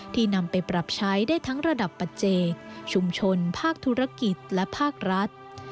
นำไปปรับใช้ได้ทั้งระดับปัจเจกชุมชนภาคธุรกิจและภาครัฐ